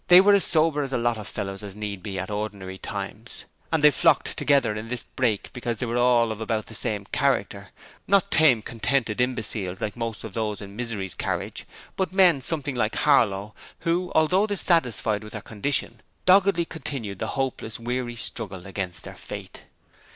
They were as sober a lot of fellows as need be at ordinary times, and they had flocked together in this brake because they were all of about the same character not tame, contented imbeciles like most of those in Misery's carnage, but men something like Harlow, who, although dissatisfied with their condition, doggedly continued the hopeless, weary struggle against their fate.